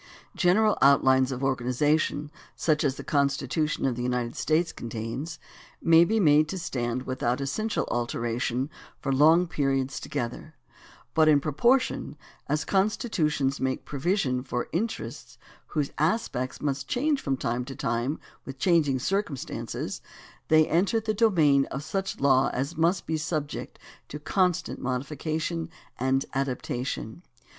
General outlines of organization, such as the Con stitution of the United States contains, may be made to stand vrithout essential alteration for long periods together, but in proportion as constitutions make provision for interests whose aspects must change from time to time with changing circum stances they enter the domain of such law as must be subject to constant modification and adaptation.